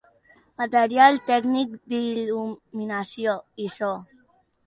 Material tècnic d'il·luminació i so.